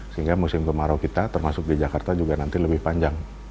sehingga musim kemarau kita termasuk di jakarta juga nanti lebih panjang